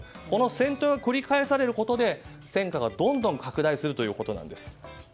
この戦闘が繰り返されることで戦火がどんどん拡大するということなんです。